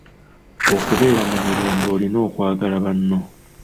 Okubeera mu mirembe olina okwagala banno.